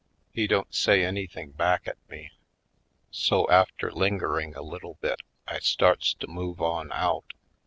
He don't say anything back at me. So after lingering a little bit I starts to move on out.